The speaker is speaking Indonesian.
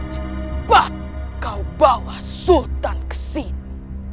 cepat kau bawa sultan kesini